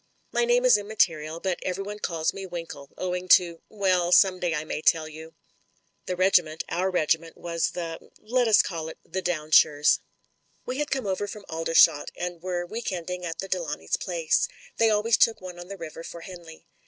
My name is immaterial, but everyone calls me Winkle, owing to— Well, some day I may tell you. The regiment, our regiment, was the, let us call it the Downshires. We had come over from Aldershot and were wedc ending at the Delawnays' place — they always took one on the river for Henley.